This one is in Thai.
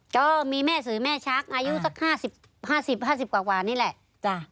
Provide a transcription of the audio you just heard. ก็มีแม่สื่อแม่ชักอายุสัก๕๐๕๐กว่านี่แหละ